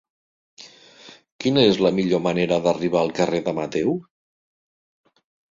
Quina és la millor manera d'arribar al carrer de Mateu?